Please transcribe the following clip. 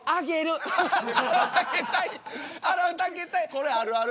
これあるある。